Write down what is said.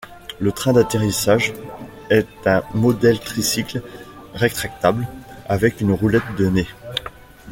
Le train d'atterrissage est un modèle tricycle rétractable avec une roulette de nez.